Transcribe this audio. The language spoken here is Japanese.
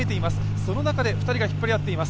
その中で２人が引っ張り合っています。